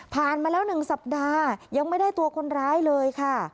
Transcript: มาแล้ว๑สัปดาห์ยังไม่ได้ตัวคนร้ายเลยค่ะ